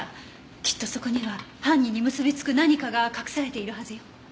きっとそこには犯人に結びつく何かが隠されているはずよ。